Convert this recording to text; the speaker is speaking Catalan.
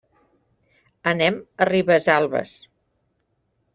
Anem a Ribesalbes.